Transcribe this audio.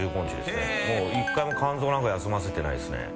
一回も肝臓なんか休ませてないですね。